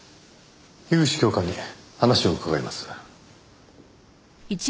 樋口教官に話を伺います。